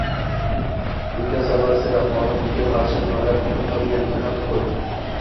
O‘tgan safar Seda xonim menga qarshi nimalar qilganini hamma ko‘rdi